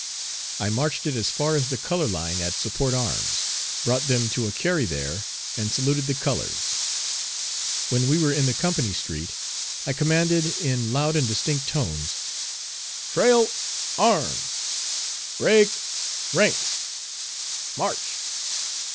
I marched it as far as the color line at "support arms;" brought them to a "carry" there and saluted the colors. When we were in the company street, I commanded in loud and distinct tone, "Trail arms! Break ranks! March!"